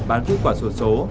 bán kết quả sổ số